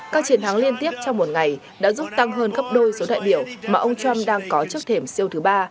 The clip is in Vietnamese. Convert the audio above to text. các chiến thắng liên tiếp trong một ngày đã giúp tăng hơn gấp đôi số đại biểu mà ông trump đang có trước thềm siêu thứ ba